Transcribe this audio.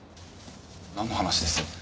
なんの話です？